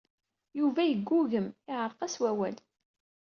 Yuba yeggugem, yeɛreq-as wawal.